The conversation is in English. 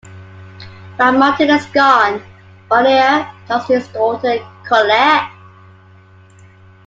While Martin is gone, Barnier talks to his daughter Colette.